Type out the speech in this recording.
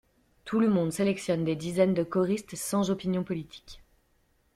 Tout le monde sélectionne des dizaines de choristes sans opinions politiques!